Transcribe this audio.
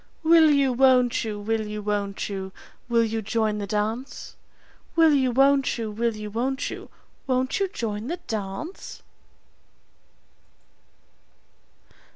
Will you, won't you, will you, won't you, will you join the dance? Will you, won't you, will you, won't you, won't you joint the dance?